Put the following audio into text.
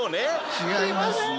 違いますね。